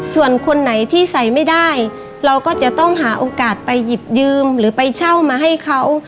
ส่วนคนไหนที่ใส่ไม่ได้เราก็จะต้องหาโอกาสไปหยิบยืมหรือไปเช่ามาให้เขา